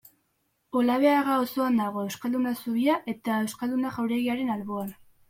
Olabeaga auzoan dago, Euskalduna zubia eta Euskalduna jauregiaren alboan.